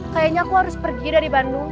kayaknya aku harus pergi dari bandung